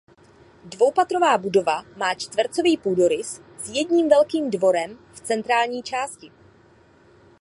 Dvoupatrová budova má čtvercový půdorys s jedním velkým dvorem v centrální části.